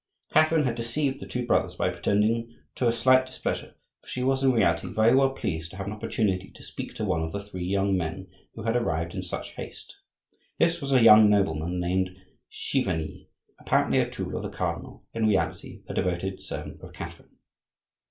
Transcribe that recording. Catherine had deceived the two brothers by pretending to a slight displeasure; for she was in reality very well pleased to have an opportunity to speak to one of the three young men who had arrived in such haste. This was a young nobleman named Chiverni, apparently a tool of the cardinal, in reality a devoted servant of Catherine.